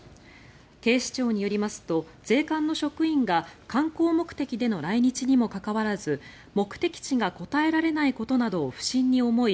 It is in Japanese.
警視庁によりますと税関の職員が観光目的での来日にもかかわらず目的地が答えられないことなどを不審に思い